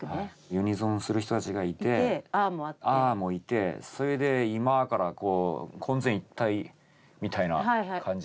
ユニゾンする人たちがいて「あ」もいてそれで「今」からこう混然一体みたいな感じでこう。